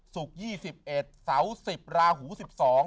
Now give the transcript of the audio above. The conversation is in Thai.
ศุกร์ยี่สิบเอ็ดเสาสิบลาหูสิบสอง